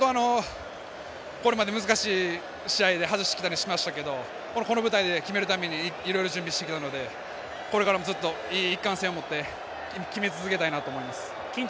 これまで難しい試合で外してきたりしましたけどこの舞台で決めるためにいろいろ準備してきたのでここからもずっと一貫性を持って決め続けたいと思います。